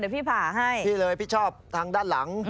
พี่เลยพี่ชอบทางด้านหลัง